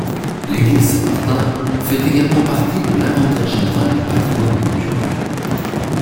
L'église Saint-Martin, fait également partie de l'inventaire général du patrimoine culturel.